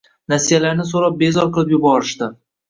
Nasiyalarni soʻrab bezor qilib yuborishdi